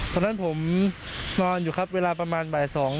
ตอนนั้นผมนอนอยู่ครับเวลาประมาณบ่าย๒